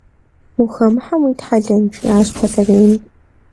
«Ухэмыхьэм уитхьэлэн?» – жиӏащ пасарейм.